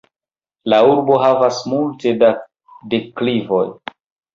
La urbo havas multe da deklivoj.